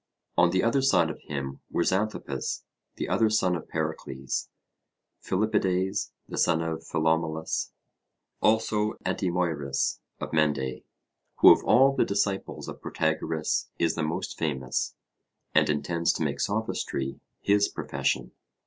On the other side of him were Xanthippus, the other son of Pericles, Philippides, the son of Philomelus; also Antimoerus of Mende, who of all the disciples of Protagoras is the most famous, and intends to make sophistry his profession.